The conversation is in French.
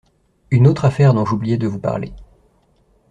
Une autre affaire dont j'oubliais de vous parler.